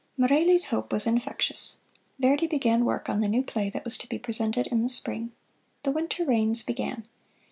Merelli's hope was infectious. Verdi began work on the new play that was to be presented in the Spring. The winter rains began.